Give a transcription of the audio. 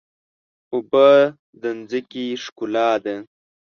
اوبه د ځمکې ښکلا ده.